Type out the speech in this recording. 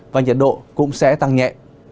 và nhiệt độ cũng sẽ tăng nhẹ